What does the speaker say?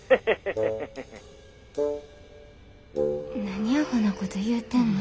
何アホなこと言うてんの。